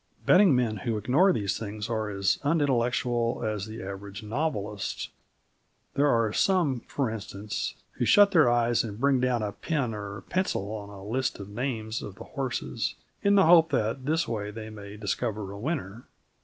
Betting men who ignore these things are as unintellectual as the average novelist. There are some, for instance, who shut their eyes and bring down a pin or a pencil on a list of names of the horses, in the hope that in this way they may discover a winner.